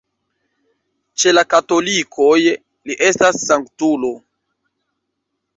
Ĉe la katolikoj li estas sanktulo.